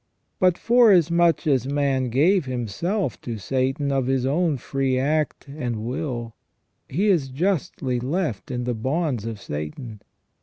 But, forasmuch as man gave himself to Satan of his own free act and will, he is justly left in the bonds of Satan.